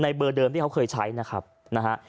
เบอร์เดิมที่เขาเคยใช้นะครับนะฮะ